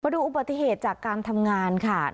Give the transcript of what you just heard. ดูอุบัติเหตุจากการทำงานค่ะ